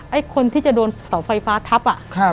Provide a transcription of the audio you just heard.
ไอ้คนที่จะโดนเสาไฟฟ้าทับ